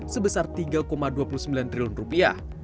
sebesar tiga dua puluh sembilan triliun rupiah